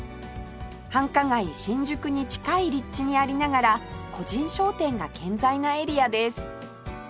繁華街新宿に近い立地にありながら個人商店が健在なエリアです